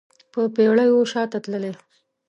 په پیړیو شاته تللی